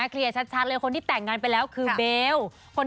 เคลียร์ชัดเลยคนที่แต่งงานไปแล้วคือเบล